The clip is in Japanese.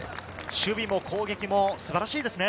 守備も攻撃も素晴らしいですね。